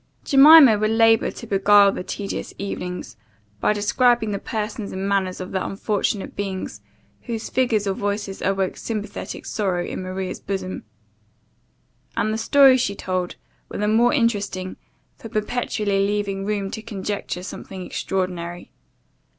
Jemima would labour to beguile the tedious evenings, by describing the persons and manners of the unfortunate beings, whose figures or voices awoke sympathetic sorrow in Maria's bosom; and the stories she told were the more interesting, for perpetually leaving room to conjecture something extraordinary.